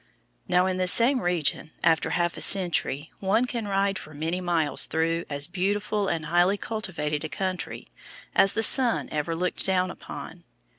Now in this same region, after half a century, one can ride for many miles through as beautiful and highly cultivated a country as the sun ever looked down upon.